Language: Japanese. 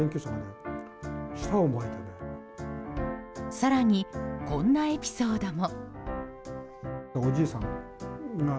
更に、こんなエピソードも。